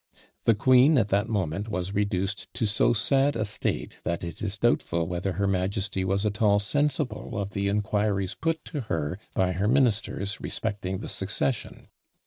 The queen at that moment was reduced to so sad a state, that it is doubtful whether her majesty was at all sensible of the inquiries put to her by her ministers respecting the succession.